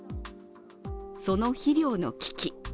その肥料の危機。